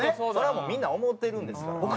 それはもうみんな思うてるんですから。